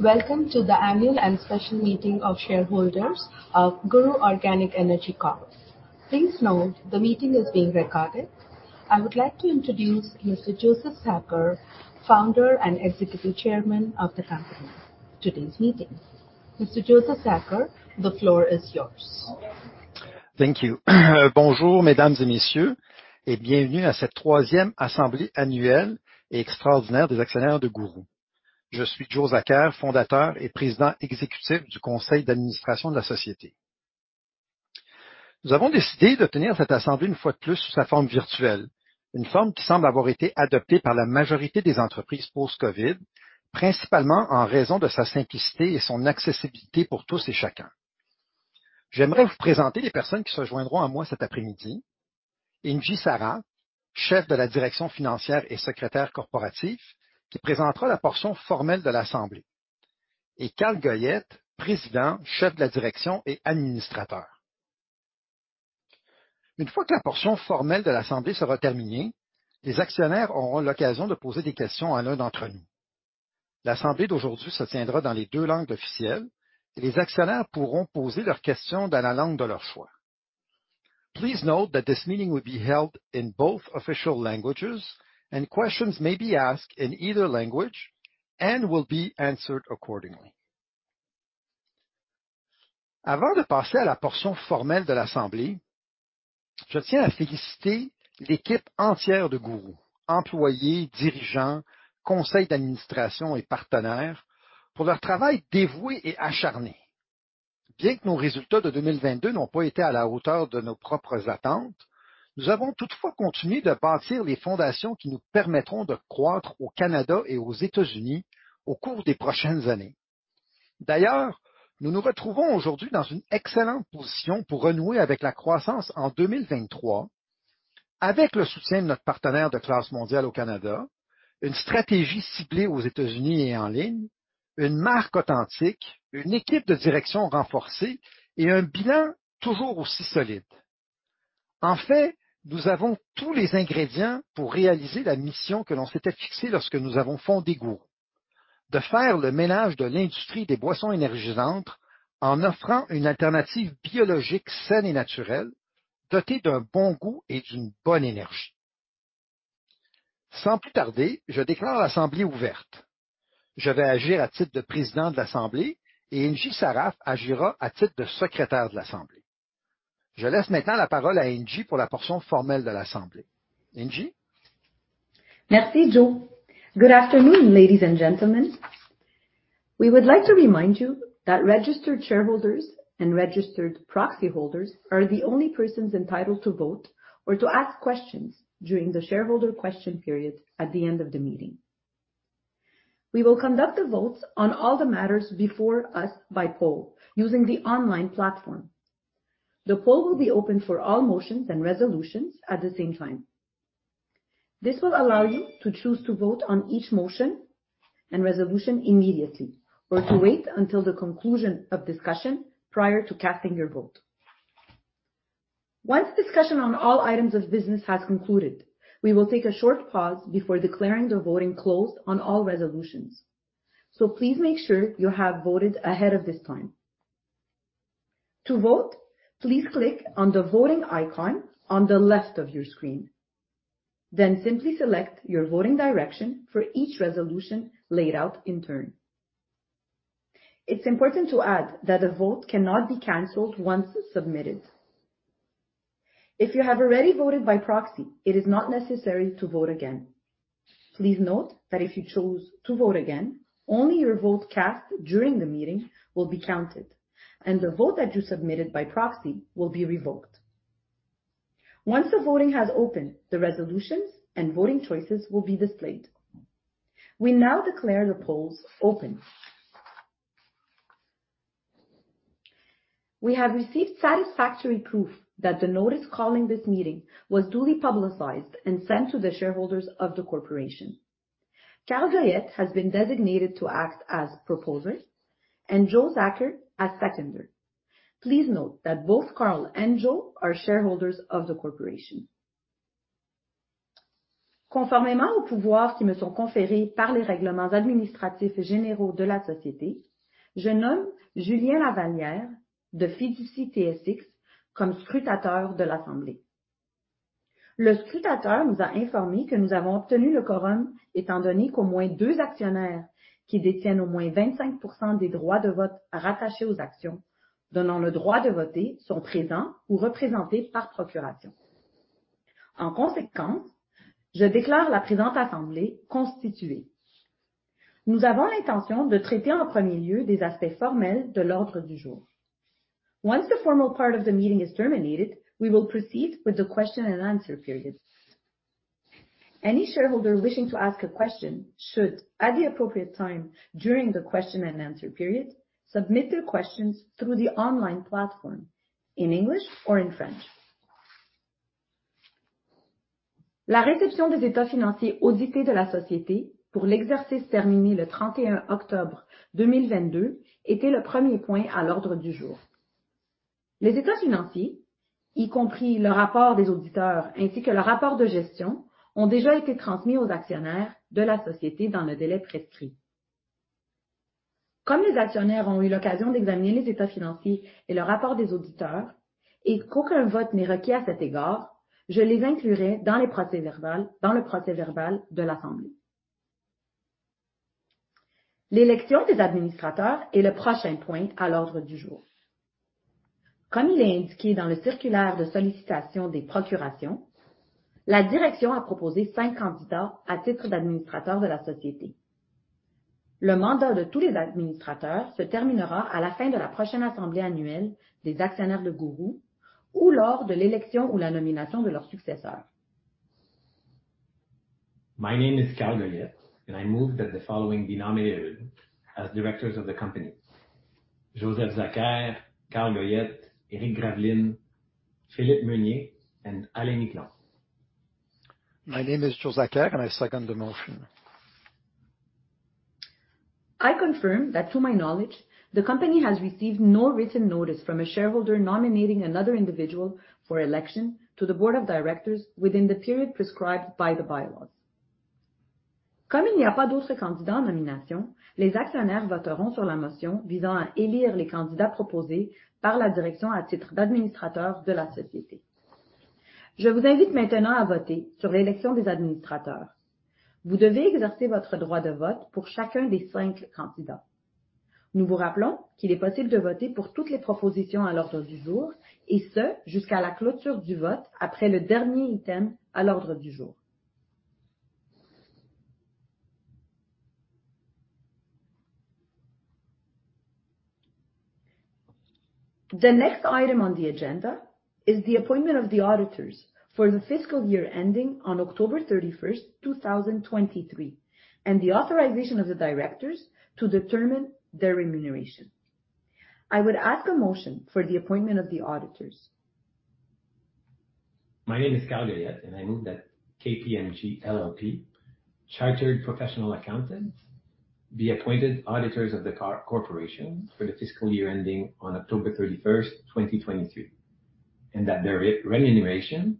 Welcome to the annual and special meeting of shareholders of GURU Organic Energy Corp. Please note the meeting is being recorded. I would like to introduce Mr. Joseph Zakher, Founder and Executive Chairman of the company. Today's meeting. Mr. Joseph Zakher, the floor is yours. Thank you. Bonjour mesdames et messieurs et bienvenue à cette troisième assemblée annuelle et extraordinaire des actionnaires de GURU. Je suis Joseph Zakher, Fondateur et Président exécutif du conseil d'administration de la société. Nous avons décidé de tenir cette assemblée une fois de plus sous sa forme virtuelle, une forme qui semble avoir été adoptée par la majorité des entreprises post-COVID, principalement en raison de sa simplicité et son accessibilité pour tous et chacun. J'aimerais vous présenter les personnes qui se joindront à moi cet après-midi: Ingy Sarraf, Chef de la direction financière et Secrétaire corporative, qui présentera la portion formelle de l'assemblée, et Carl Goyette, Président, Chef de la direction et Administrateur. Une fois que la portion formelle de l'assemblée sera terminée, les actionnaires auront l'occasion de poser des questions à l'un d'entre nous. L'assemblée d'aujourd'hui se tiendra dans les deux langues officielles et les actionnaires pourront poser leurs questions dans la langue de leur choix. Please note that this meeting will be held in both official languages and questions may be asked in either language and will be answered accordingly. Avant de passer à la portion formelle de l'assemblée, je tiens à féliciter l'équipe entière de GURU: employés, dirigeants, conseils d'administration et partenaires pour leur travail dévoué et acharné. Bien que nos résultats de 2022 n'ont pas été à la hauteur de nos propres attentes, nous avons toutefois continué de bâtir les fondations qui nous permettront de croître au Canada et aux États-Unis au cours des prochaines années. D'ailleurs, nous nous retrouvons aujourd'hui dans une excellente position pour renouer avec la croissance en 2023 avec le soutien de notre partenaire de classe mondiale au Canada, une stratégie ciblée aux États-Unis et en ligne, une marque authentique, une équipe de direction renforcée et un bilan toujours aussi solide. En fait, nous avons tous les ingrédients pour réaliser la mission que l'on s'était fixée lorsque nous avons fondé GURU: de faire le ménage de l'industrie des boissons énergisantes en offrant une alternative biologique saine et naturelle, dotée d'un bon goût et d'une bonne énergie. Sans plus tarder, je déclare l'assemblée ouverte. Je vais agir à titre de président de l'Assemblée et Ingy Sarraf agira à titre de secrétaire de l'Assemblée. Je laisse maintenant la parole à Ingy pour la portion formelle de l'Assemblée. Ingy? Merci Joe. Good afternoon, ladies and gentlemen. We would like to remind you that registered shareholders and registered proxy holders are the only persons entitled to vote or to ask questions during the shareholder question period at the end of the meeting. We will conduct the votes on all the matters before us by poll using the online platform. The poll will be open for all motions and resolutions at the same time. This will allow you to choose to vote on each motion and resolution immediately or to wait until the conclusion of discussion prior to casting your vote. Once discussion on all items of business has concluded, we will take a short pause before declaring the voting closed on all resolutions. Please make sure you have voted ahead of this time. To vote, please click on the voting icon on the left of your screen. Simply select your voting direction for each resolution laid out in turn. It's important to add that a vote cannot be canceled once it's submitted. If you have already voted by proxy, it is not necessary to vote again. Please note that if you chose to vote again, only your vote cast during the meeting will be counted and the vote that you submitted by proxy will be revoked. Once the voting has opened, the resolutions and voting choices will be displayed. We now declare the polls open. We have received satisfactory proof that the notice calling this meeting was duly publicized and sent to the shareholders of the corporation. Carl Goyette has been designated to act as proposer and Joe Zakher as seconder. Please note that both Carl and Joe are shareholders of the corporation. Conformément aux pouvoirs qui me sont conférés par les règlements administratifs généraux de la Société, je nomme Julien Lavallée de Fiducie TSX comme scrutateur de l'Assemblée. Le scrutateur nous a informés que nous avons obtenu le quorum étant donné qu'au moins 25 actionnaires qui détiennent au moins 25% des droits de vote rattachés aux actions donnant le droit de voter sont présents ou représentés par procuration. En conséquence, je déclare la présente assemblée constituée. Nous avons l'intention de traiter en premier lieu des aspects formels de l'ordre du jour. Once the formal part of the meeting is terminated, we will proceed with the question and answer period. Any shareholder wishing to ask a question should, at the appropriate time during the question and answer period, submit their questions through the online platform in English or in French. La réception des états financiers audités de la société pour l'exercice terminé le trente-et-un octobre deux mille vingt-deux était le premier point à l'ordre du jour. Les états financiers, y compris le rapport des auditeurs ainsi que le rapport de gestion, ont déjà été transmis aux actionnaires de la société dans le délai prescrit. Comme les actionnaires ont eu l'occasion d'examiner les états financiers et le rapport des auditeurs et qu'aucun vote n'est requis à cet égard, je les inclurai dans le procès-verbal de l'assemblée. L'élection des administrateurs est le prochain point à l'ordre du jour. Comme il est indiqué dans le circulaire de sollicitation des procurations, la direction a proposé cinq candidats à titre d'administrateur de la société. Le mandat de tous les administrateurs se terminera à la fin de la prochaine assemblée annuelle des actionnaires de GURU ou lors de l'élection ou la nomination de leur successeur. My name is Carl Goyette and I move that the following be nominated as directors of the company: Joseph Zakher, Carl Goyette, Eric Graveline, Philippe Meunier and Alain Miquelon. My name is Joe Zakher and I second the motion. I confirm that to my knowledge, the company has received no written notice from a shareholder nominating another individual for election to the board of directors within the period prescribed by the bylaws. Comme il n'y a pas d'autres candidats en nomination, les actionnaires voteront sur la motion visant à élire les candidats proposés par la direction à titre d'administrateur de la société. Je vous invite maintenant à voter sur l'élection des administrateurs. Vous devez exercer votre droit de vote pour chacun des five candidats. Nous vous rappelons qu'il est possible de voter pour toutes les propositions à l'ordre du jour, et ce, jusqu'à la clôture du vote après le dernier item à l'ordre du jour. The next item on the agenda is the appointment of the auditors for the fiscal year ending on October, 2023 and the authorization of the directors to determine their remuneration. I would ask a motion for the appointment of the auditors. My name is Carl Goyette and I move that KPMG LLP chartered professional accountants be appointed auditors of the corporation for the fiscal year ending on October 31st, 2023, and that their remuneration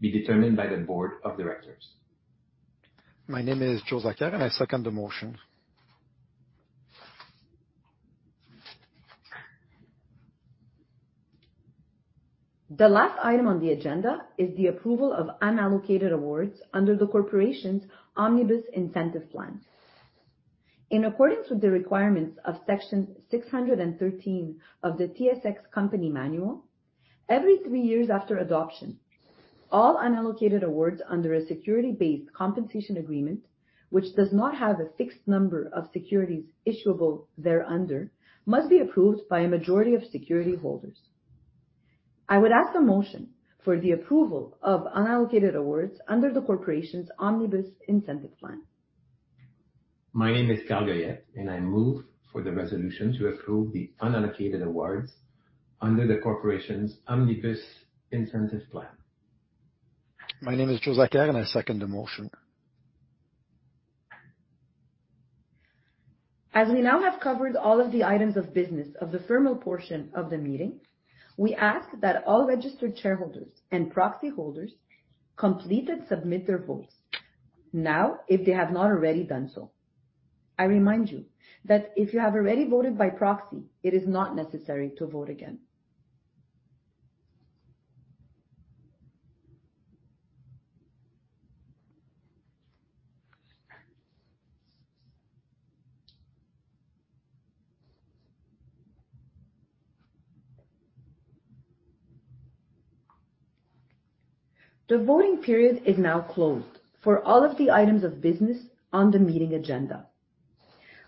be determined by the board of directors. My name is Joseph Zakher and I second the motion. The last item on the agenda is the approval of unallocated awards under the corporation's Omnibus Incentive Plan. In accordance with the requirements of Section 613 of the TSX Company Manual, every three years after adoption, all unallocated awards under a security-based compensation arrangement, which does not have a fixed number of securities issuable thereunder, must be approved by a majority of security holders. I would ask a motion for the approval of unallocated awards under the corporation's Omnibus Incentive Plan. My name is Carl Goyette and I move for the resolution to approve the unallocated awards under the corporation's Omnibus Incentive Plan. My name is Joe Zakher and I second the motion. As we now have covered all of the items of business of the formal portion of the meeting, we ask that all registered shareholders and proxy holders complete and submit their votes now if they have not already done so. I remind you that if you have already voted by proxy, it is not necessary to vote again. The voting period is now closed for all of the items of business on the meeting agenda.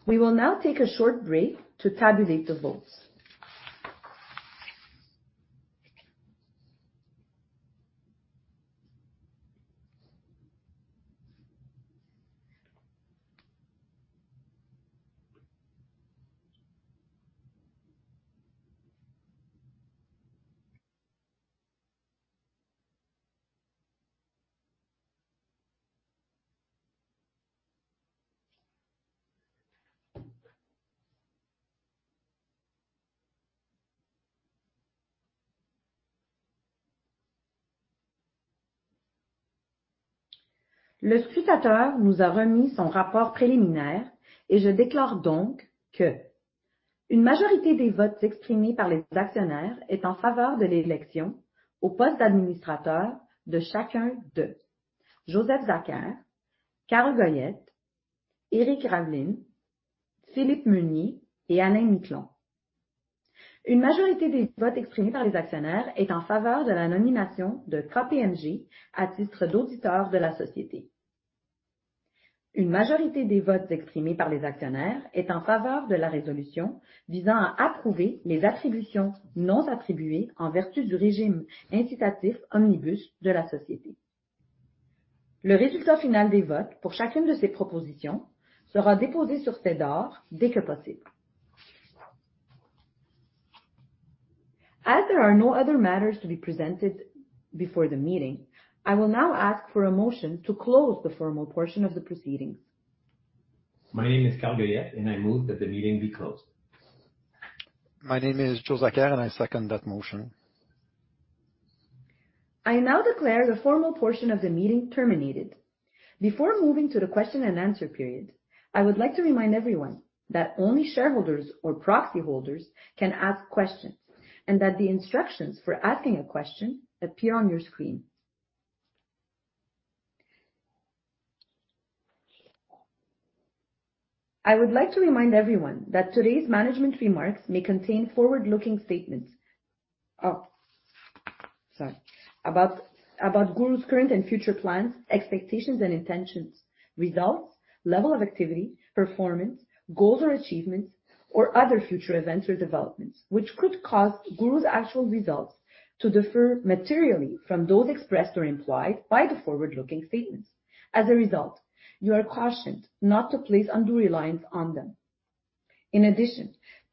We will now take a short break to tabulate the votes. Le scrutateur nous a remis son rapport préliminaire et je déclare donc que une majorité des votes exprimés par les actionnaires est en faveur de l'élection au poste d'administrateur de chacun d'eux: Joseph Zakher, Carl Goyette, Éric Graveline, Philippe Meunier et Alain Miquelon. Une majorité des votes exprimés par les actionnaires est en faveur de la nomination de KPMG à titre d'auditeur de la société. Une majorité des votes exprimés par les actionnaires est en faveur de la résolution visant à approuver les attributions non attribuées en vertu du régime incitatif omnibus de la société. Le résultat final des votes pour chacune de ces propositions sera déposé sur SEDAR dès que possible. As there are no other matters to be presented before the meeting, I will now ask for a motion to close the formal portion of the proceedings. My name is Carl Goyette, and I move that the meeting be closed. My name is Joe Zakher, and I second that motion. I now declare the formal portion of the meeting terminated. Before moving to the question and answer period, I would like to remind everyone that only shareholders or proxy holders can ask questions and that the instructions for asking a question appear on your screen. I would like to remind everyone that today's management remarks may contain forward-looking statements. About GURU's current and future plans, expectations and intentions, results, level of activity, performance, goals or achievements or other future events or developments which could cause GURU's actual results to differ materially from those expressed or implied by the forward-looking statements. You are cautioned not to place undue reliance on them.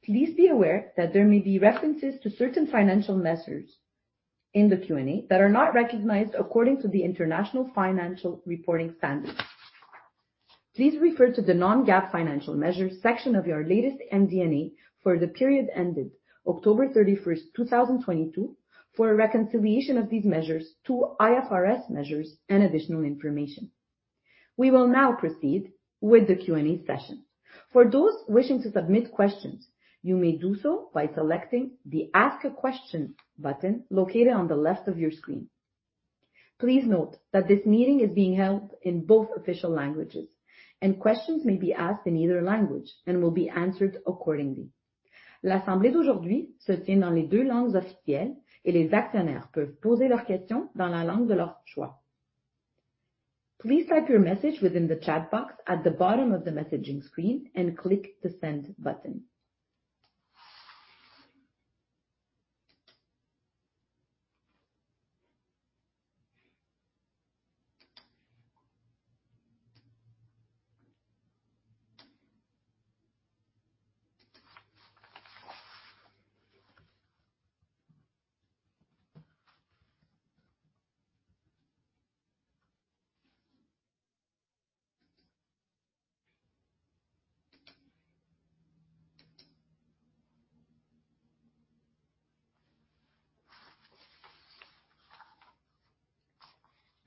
Please be aware that there may be references to certain financial measures in the Q&A that are not recognized according to the International Financial Reporting Standards. Please refer to the non-GAAP financial measures section of your latest MD&A for the period ended October 31, 2022, for a reconciliation of these measures to IFRS measures and additional information. We will now proceed with the Q&A session. For those wishing to submit questions, you may do so by selecting the Ask a Question button located on the left of your screen. Please note that this meeting is being held in both official languages, and questions may be asked in either language and will be answered accordingly. Please type your message within the chat box at the bottom of the messaging screen and click the Send button.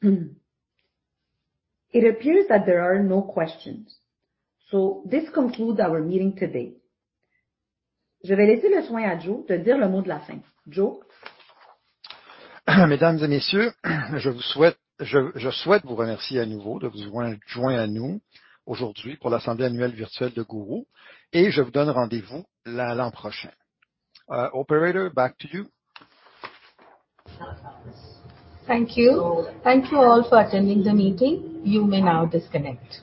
It appears that there are no questions, so this concludes our meeting today. Operator, back to you. Thank you. Thank you all for attending the meeting. You may now disconnect.